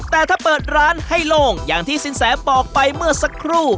แต่ถ้าเปิดร้านให้โล่งอย่างที่สินแสบอกไปเมื่อสักครู่